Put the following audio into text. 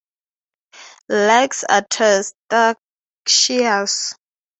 Legs are testaceous.